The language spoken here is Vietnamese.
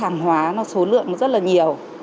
hàng hóa nó số lượng nó rất là nhiều